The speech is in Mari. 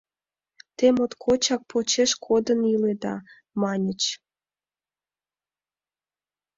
Те моткочак почеш кодын иледа, — маньыч.